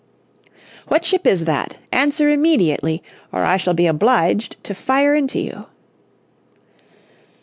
"What ship is that? Answer immediately, or I shall be obliged to fire into you."